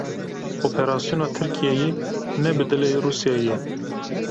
Operasyona Tirkiyeyê ne bi dilê Rûsyayê ye.